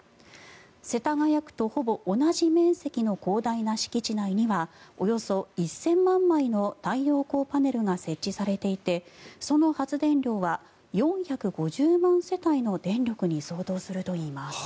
世田谷区とほぼ同じ面積の広大な敷地内にはおよそ１０００万枚の太陽光パネルが設置されていてその発電量は４５０万世帯の電力に相当するといいます。